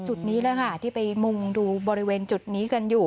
จุดนี้แหละค่ะที่ไปมุ่งดูบริเวณจุดนี้กันอยู่